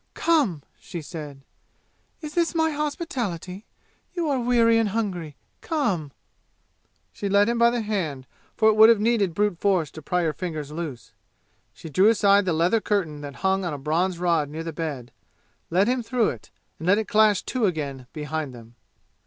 "Come!" she said. "Is this my hospitality? You are weary and hungry. Come!" She led him by the hand, for it would have needed brute force to pry her fingers loose. She drew aside the leather curtain that hung on a bronze rod near the bed, led him through it, and let it clash to again behind them.